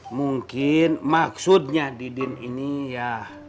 mungkin maksudnya didin ini ya